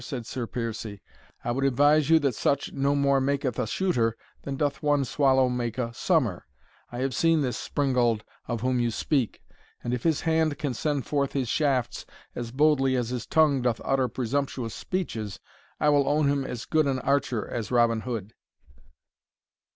said Sir Piercie; "I would advise you that such no more maketh a shooter, than doth one swallow make a summer I have seen this springald of whom you speak, and if his hand can send forth his shafts as boldly as his tongue doth utter presumptuous speeches, I will own him as good an archer as Robin Hood."